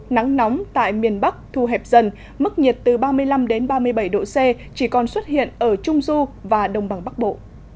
nắng nóng tại miền bắc thu hẹp dần mức nhiệt từ ba mươi năm ba mươi bảy độ c chỉ còn xuất hiện ở trung du và đông bằng bắc bộ